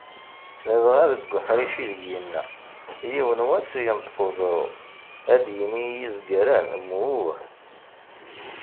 Ladɣa deg uḥric ideg yenna, "Yiwen wass yenṭeq uẓru, ad d-yini i yizgaren mmuh".